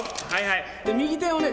右手をね